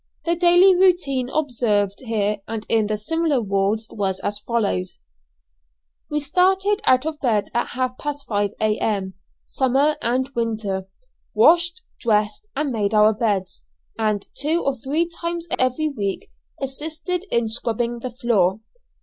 The daily routine observed here and in the similar wards was as follows: We started out of bed at half past five a.m., summer and winter; washed, dressed, and made our beds, and two or three times every week assisted in scrubbing the floor.